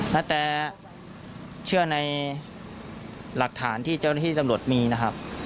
นาแตเชื่อในหลักฐานที่เจ้าหน้าที่ตำรวจมีนะครับ